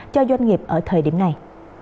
cho doanh nghiệp ở thời điểm này